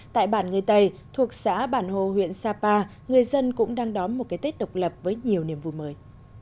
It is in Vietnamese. tại bản người tày thuộc xã bản hồ huyện sapa người dân cũng đang đón một cái tết độc lập với nhiều niềm vui mới